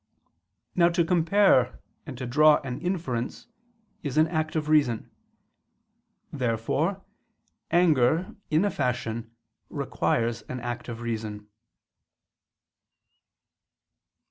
Now to compare and to draw an inference is an act of reason. Therefore anger, in a fashion, requires an act of reason.